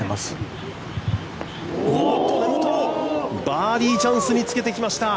バーディーチャンスにつけてきました。